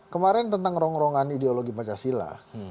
kemarin tentang ngerong ngerongan ideologi pancasila